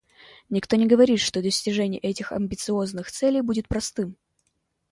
Никто не говорит, что достижение этих амбициозных целей будет простым.